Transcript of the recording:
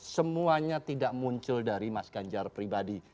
semuanya tidak muncul dari mas ganjar pribadi